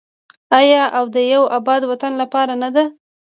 آیا او د یو اباد وطن لپاره نه ده؟